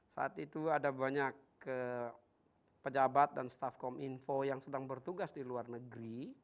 saat itu ada banyak pejabat dan staf kominfo yang sedang bertugas di luar negeri